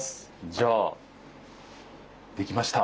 じゃあ出来ました。